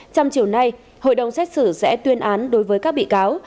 trong chiều nay hội đồng xét xử sẽ tuyên án đối với các bị cáo